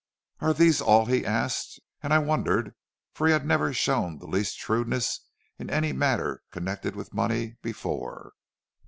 "'Are these all?' he asked. And I wondered, for he had never shown the least shrewdness in any matter connected with money before.